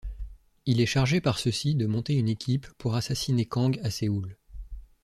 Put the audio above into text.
Il est chargé par ceux-ci de monter une équipe pour assassiner Kang à Séoul.